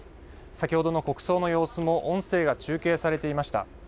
先程の国葬の様子も音声が中継されていました。